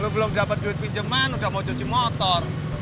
lo belum dapet duit pinjeman udah mau cuci motor